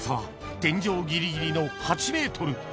天井ギリギリの８ｍ稟